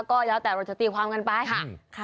ก็แล้วแต่เราจะตีความกันไปค่ะ